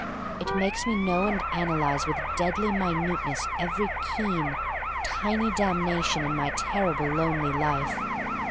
It makes me know and analyze with deadly minute ness every keen, tiny damnation in my terrible lonely life.